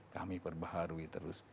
kami perbaharui terus